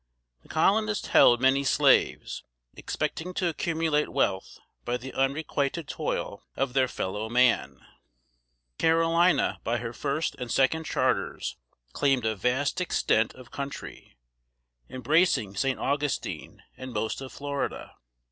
The Colonists held many slaves, expecting to accumulate wealth by the unrequited toil of their fellow man. [Sidenote: 1630.] [Sidenote: 1700.] Carolina by her first and second charters claimed a vast extent of country, embracing St. Augustine and most of Florida.